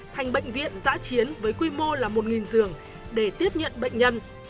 thành bệnh viện giã chiến với quy mô là một giường để tiếp nhận bệnh nhân